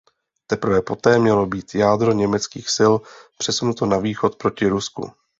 Teprve poté mělo být jádro německých sil přesunuto na východ proti Rusku.